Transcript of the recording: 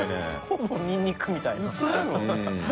ほぼニンニクみたいな。